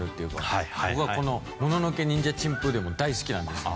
ボクはこの『もののけニンジャ珍風伝』も大好きなんです。